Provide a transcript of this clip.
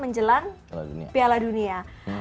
menjelang piala dunia